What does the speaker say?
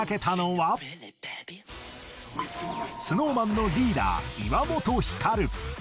このＳｎｏｗＭａｎのリーダー岩本照。